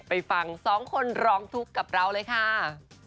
ไปฟังสองคนร้องทุกข์กับเราเลยค่ะ